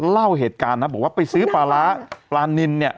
เล่าเหตุการณ์นะบอกว่าไปซื้อปลาร้าปลานินเนี่ย